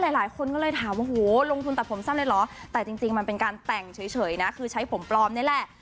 หลายคนก็เลยถามว่าโหลงทุนตัดผมสั้นเลยเหรอแต่จริงมันเป็นการแต่งเฉยนะคือใช้ผมปลอมนี่แหละ